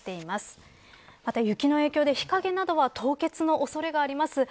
また雪の影響で日陰などは凍結の恐れがあります。